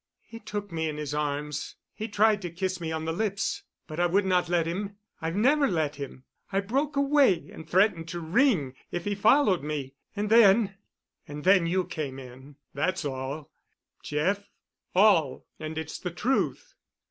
"He took me in his arms. He tried to kiss me on the lips, but I would not let him. I've never let him. I broke away and threatened to ring if he followed me—and then—and then you came in. That's all, Jeff—all—and it's the truth."